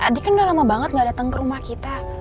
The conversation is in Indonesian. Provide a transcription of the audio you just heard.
adik kan udah lama banget gak datang ke rumah kita